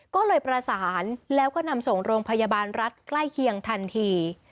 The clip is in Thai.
ก็เลยประสานแล้วก็นำส่งโรงพยาบาลรัฐใกล้เคียงทันที